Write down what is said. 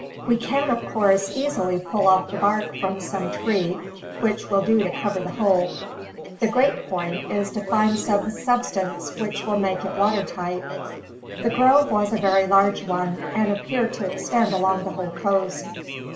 We can, of course, easily pull off the bark from some tree, which will do to cover the hole. The great point is to find some substance which will make it water tight." The grove was a very large one, and appeared to extend along the whole coast.